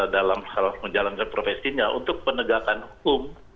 dalam hal menjalankan profesinya untuk penegakan hukum